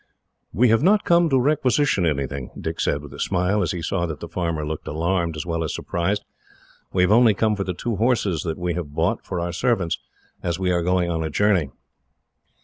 "We have not come to requisition anything," Dick said, with a smile, as he saw that the farmer looked alarmed as well as surprised. "We have only come for the two horses that we have bought, for our servants, as we are going on a journey."